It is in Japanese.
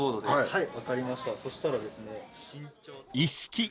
はい。